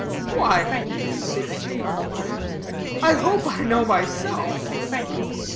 "Why," a bit chafed, perhaps, "I hope I know myself."